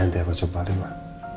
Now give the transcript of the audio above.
nanti aku coba deh mbak